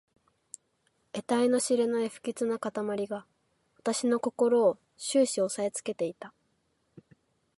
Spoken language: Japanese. えたいの知れない不吉な魂が私の心を始終おさえつけていた。